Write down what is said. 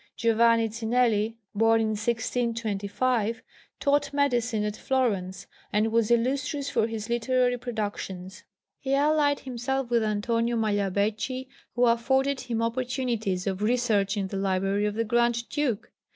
Giovanni Cinelli, born in 1625, taught medicine at Florence and was illustrious for his literary productions. He allied himself with Antonio Magliabecchi, who afforded him opportunities of research in the library of the Grand Duke.